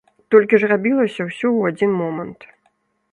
Толькі ж рабілася ўсё ў адзін момант.